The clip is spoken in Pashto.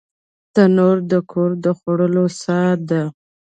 تنور د کور د خوړو ساه ده